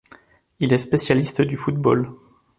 Il est spécialiste du football.